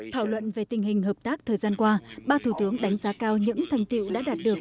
thảo luận về tình hình hợp tác thời gian qua ba thủ tướng đánh giá cao những thành tiệu đã đạt được